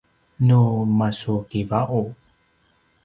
nu masukiva’u